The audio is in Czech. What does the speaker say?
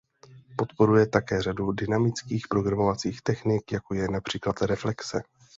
Podporuje také řadu dynamických programovacích technik jako je například reflexe.